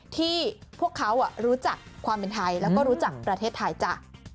ที่พวกเขารู้จักความเป็นไทยแล้วก็รู้จักประเทศไทยจ้ะ